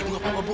ibu apa apa bu